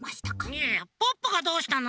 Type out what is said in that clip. いやいやポッポがどうしたの？